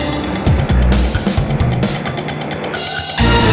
ya tapi lo udah kodok sama ceweknya